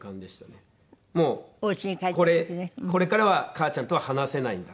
もうこれからは母ちゃんとは話せないんだ。